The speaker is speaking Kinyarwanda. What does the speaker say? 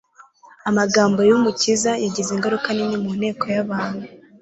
Amagambo y'Umukiza yagize ingaruka nini mu nteko y'abantu